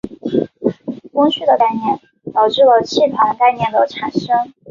锋区的概念导致了气团概念的产生。